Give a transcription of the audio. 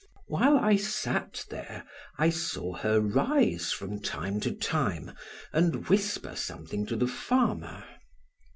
While I sat there, I saw her rise from time to time and whisper something to the farmer.